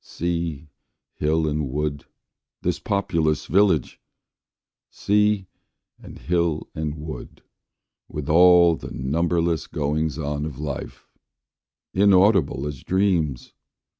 Sea, hill, and wood, This populous village! Sea, and hill, and wood, With all the numberless goings on of life, Inaudible as dreams!